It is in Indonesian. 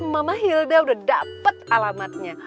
mumma hilda sudah dapat alamatnya